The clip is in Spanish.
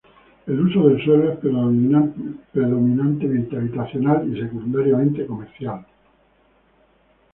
El uso de suelo es predominantemente habitacional y secundariamente comercial.